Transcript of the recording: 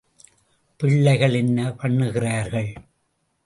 பிள்ளைகள் என்ன பண்ணுகிறார்கள்.